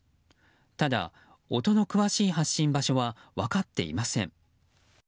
ただ、音の詳しい発信場所は分かっていません。